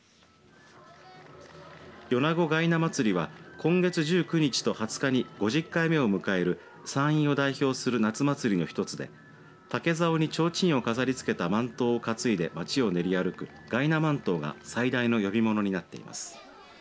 米子がいな祭は今月１９日と２０日に５０回目を迎える山陰を代表する夏祭りの一つで竹ざおにちょうちんを飾りつけた万灯を担いで街を練り歩くがいな万灯が最大の呼び物になっています。